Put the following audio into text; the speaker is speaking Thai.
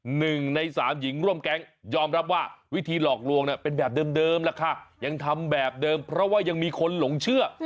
หนึ่งในสามหญิงร่วมแก๊งยอมรับว่าวิธีหลอกลวงเป็นแบบเดิมล่ะค่ะยังทำแบบเดิมเพราะว่ายังมีคนหลงเชื่อ